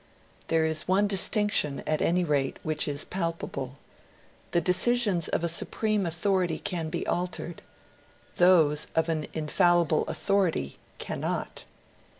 There is one distinction, at any rate, which is palpable: the decisions of a supreme authority can be altered; those of an infallible authority cannot.